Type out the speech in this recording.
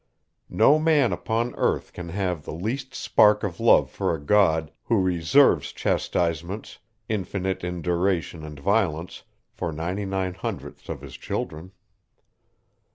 No man upon earth can have the least spark of love for a God, who reserves chastisements, infinite in duration and violence, for ninety nine hundredths of his children.